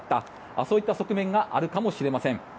そういった側面があるかもしれません。